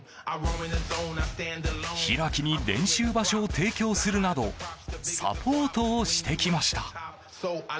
開に練習場所を提供するなどサポートをしてきました。